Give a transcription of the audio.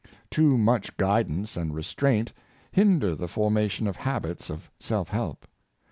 Too much guidance and restraint hinder the formation of habits of self help.